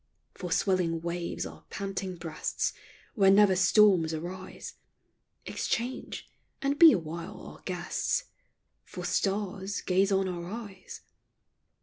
For swelling waves our panting breasts, Where never storms arise, Exchange ; and be awhile our guests : For stars, gaze on our eyes.